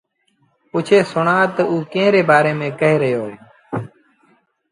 پُڇي سُڻآ تا اوٚ ڪݩهݩ ري بآري ميݩ ڪهي رهيو اهي؟